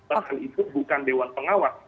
bahkan itu bukan dewan pengawas